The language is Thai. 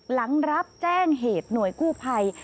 หลังรับแจ้งเหตุหน่วยกู้ภัย